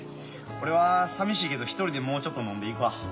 俺はさみしいけど一人でもうちょっと飲んでいくわ。